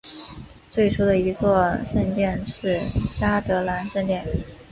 最初的一座圣殿是嘉德兰圣殿。